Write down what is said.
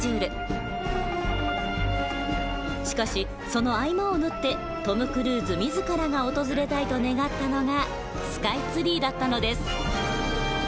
しかしその合間を縫ってトム・クルーズ自らが訪れたいと願ったのがスカイツリーだったのです。